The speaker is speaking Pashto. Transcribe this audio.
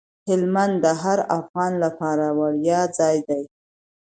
هلمند د هر افغان لپاره د ویاړ ځای دی.